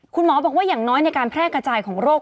คุณหมอบอกว่าอย่างน้อยในการแพร่กระจายของโรค